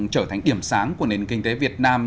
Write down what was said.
trở thành điểm sáng của nền kinh tế việt nam